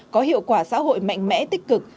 có hiệu quả xã hội mạnh mẽ tích cực